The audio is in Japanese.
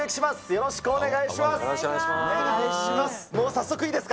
よろしくお願いします。